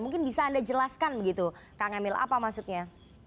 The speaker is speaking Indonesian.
mungkin bisa anda jelaskan begitu kang emil apa maksudnya